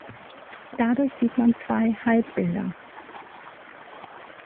Dadurch sieht man zwei „Halbbilder“.